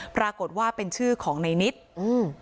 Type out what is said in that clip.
ปรากฏว่าเป็นชื่อของในนิดอืม